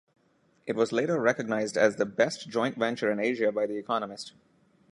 It was later recognized as the best joint venture in Asia by The Economist.